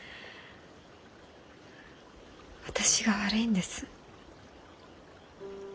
私が悪いんです。